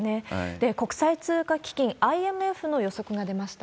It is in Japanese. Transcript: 国際通貨基金・ＩＭＦの予測が出ました。